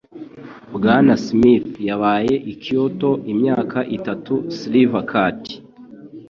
Bwana Smith yabaye i Kyoto imyaka itatu. (slivercat)